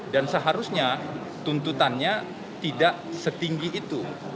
dan seharusnya tuntutannya tidak setinggi itu